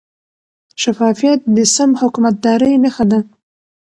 شفافیت د سم حکومتدارۍ نښه ده.